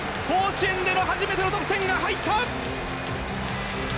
甲子園での初めての得点が入った！